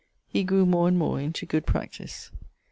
He grew more and more into good practise.